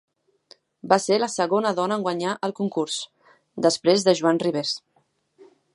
Va ser la segona dona en guanyar el concurs, després de Joan Rivers.